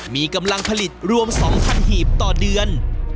มีกำลังผลิตรวม๒๐๐หีบต่อเดือน